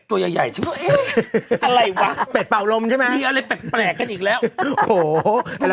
ตัวใหญ่ช่วยอะไรวะเบ็ดเป่าลมใช่ไหมมีอะไรเป็ดแปลกกันอีกแล้วโห